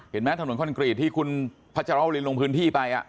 เห็นไหมถนนคอนกรีตที่คุณพัชรวรินลงพื้นที่ไป